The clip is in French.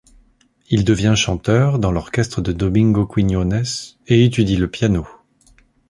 Il devient chanteur dans l'orchestre de Domingo Quiñones et étudie le piano.